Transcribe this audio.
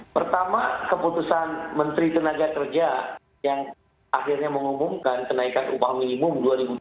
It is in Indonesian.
pertama keputusan menteri ketenagakerjaan ida fauzia yang akhirnya mengumumkan kenaikan uang minimum dua ribu dua puluh dua